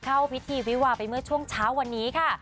เข้าพิธีวิวาไปเมื่อช่วงเช้าวันนี้ค่ะ